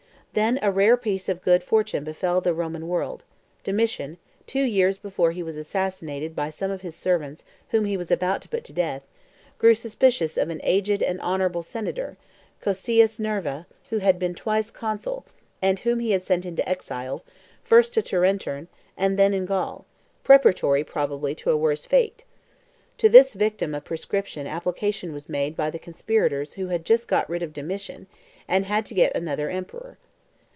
Then a rare piece of good fortune befell the Roman world. Domitian, two years before he was assassinated by some of his servants whom he was about to put to death, grew suspicious of an aged and honorable senator, Cocceius Nerva, who had been twice consul, and whom he had sent into exile, first to Tarenturn, and then in Gaul, preparatory, probably, to a worse fate. To this victim of proscription application was made by the conspirators who had just got rid of Domitian, and had to get another emperor.